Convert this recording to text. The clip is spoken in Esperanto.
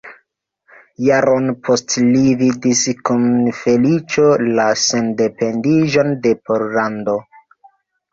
Jaron poste li vidis kun feliĉo la sendependiĝon de Pollando.